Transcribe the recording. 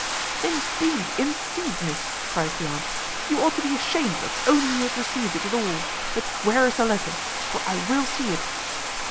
"Indeed, indeed, miss," cries the aunt, "you ought to be ashamed of owning you had received it at all; but where is the letter? for I will see it."